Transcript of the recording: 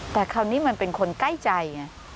แต่คราวนี้มันเป็นคนใกล้ใจไง